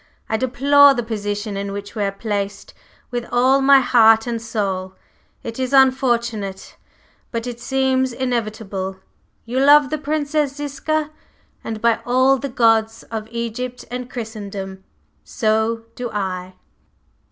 I deplore the position in which we are placed with all my heart and soul. It is unfortunate, but it seems inevitable. You love the Princess Ziska, and by all the gods of Egypt and Christendom, so do I!"